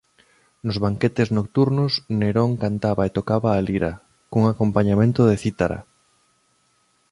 Nos banquetes nocturnos Nerón cantaba e tocaba a lira cun acompañamento de cítara.